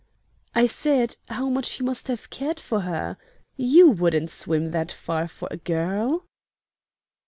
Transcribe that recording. "I said how much he must have cared for her! You wouldn't swim that far for a girl."